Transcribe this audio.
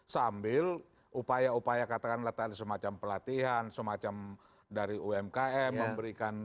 sambil upaya upaya katakanlah tadi semacam pelatihan semacam dari umkm memberikan